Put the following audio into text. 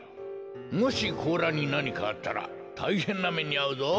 もしこうらになにかあったらたいへんなめにあうぞ。